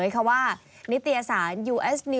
กว่าเราอูม